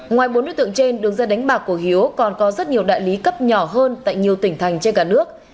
ngoài bốn đối tượng trên đường dây đánh bạc của hiếu còn có rất nhiều đại lý cấp nhỏ hơn tại nhiều tỉnh thành trên cả nước